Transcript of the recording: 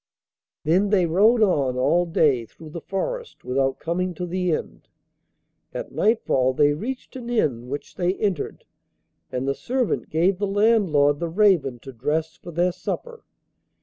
Then they rode on all day through the forest without coming to the end. At nightfall they reached an inn, which they entered, and the servant gave the landlord the raven to dress for their supper.